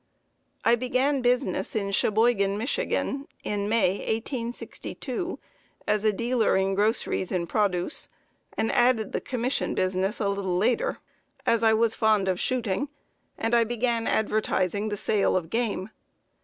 I began business in Cheboygan, Mich., in May, 1862, as a dealer in groceries and produce and added the commission business a little later, as I was fond of shooting, and I began advertising the sale of game.